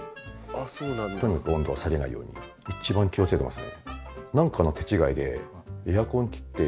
とにかく温度を下げないように一番気を付けてますね。